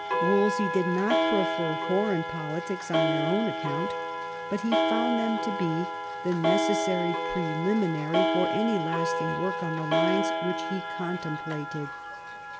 Wolsey did not prefer foreign politics on their own account, but he found them to be the necessary preliminary for any lasting work on the lines which he contemplated.